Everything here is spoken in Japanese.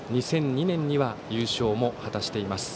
２００２年には優勝も果たしています。